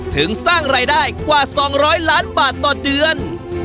ถึงสร้างรายได้กว่า๒๐๐ล้านบาทต่อเดือน